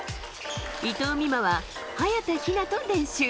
伊藤美誠は早田ひなと練習。